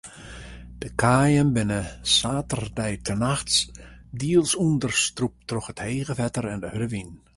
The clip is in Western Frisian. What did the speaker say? De kaaien binne saterdeitenacht diels ûnderstrûpt troch it hege wetter en de hurde wyn.